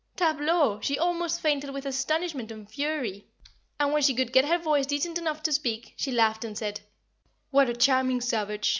Tableau! She almost fainted with astonishment and fury, and when she could get her voice decent enough to speak, she laughed and said "What a charming savage!